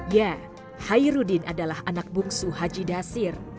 ya hairudin adalah anak bungsu haji dasir